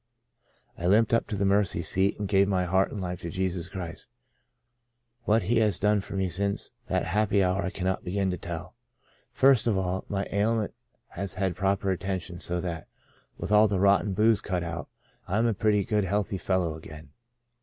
I limped up to the mercy seat and "gave my heart and life to Jesus Christ. What He has done for me since that happy hour I cannot begin to tell. First of all, my " Out of Nazareth " 135 ailment has had proper attention so that, with all the rotten booze cut out, I'm a pretty good healthy fellow again.